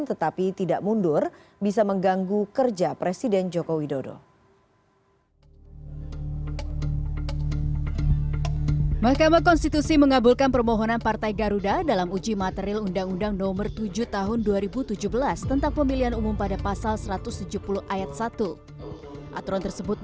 tetapi tidak mundur bisa mengganggu kerja presiden joko widodo